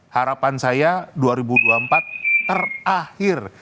harapan saya dua ribu dua puluh empat terakhir